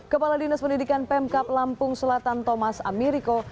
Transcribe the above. kepala dinas pendidikan pemkap lampung selatan thomas amiriko